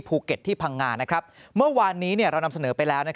ภูเก็ตที่พังงาเมื่อวานนี้เรานำเสนอไปแล้ว